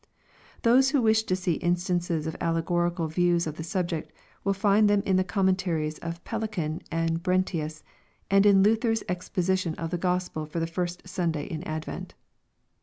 Those who wish to see instances of allegorical views of the subject, will find them in the commen taries of Pellican and Brentius, and in Luther's Exposition of the G ospel for the First Sunday in Advent.